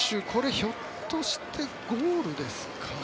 ひょっとしてゴールですか？